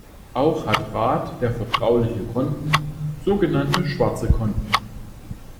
Auch hat Rat der vertrauliche Konten, so genannte schwarze Konten.